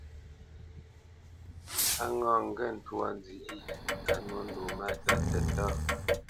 A ŋâ ŋgê ntwá nzyêʼ yē á nwô ndo máta tətá.